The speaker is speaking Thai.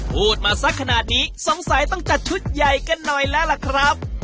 พูดมาสักขนาดนี้สงสัยต้องจัดชุดใหญ่กันหน่อยแล้วล่ะครับ